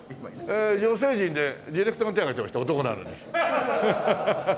えー女性陣でディレクターが手を挙げていました男なのに。